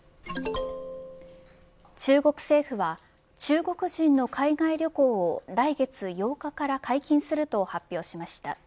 中国政府は中国人の海外旅行を来月８日から解禁すると発表しました。